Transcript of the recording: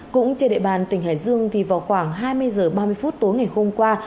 cũng trên địa bàn tỉnh hải dương thì vào khoảng hai mươi h ba mươi phút tối ngày hôm qua